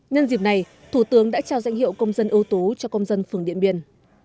nhân dịp này thủ tướng đã trao danh hiệu công dân ưu tú cho công dân phường điện biên